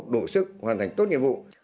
đủ sức hoàn thành tốt nhiệm vụ